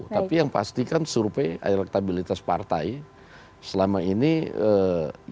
tapi yang pasti kan suruh p elektabilitas partai selama ini yang akhir akhir ini alhamdulillah meningkat naik